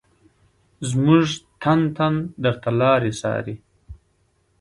زمونږ تن تن درته لاري څاري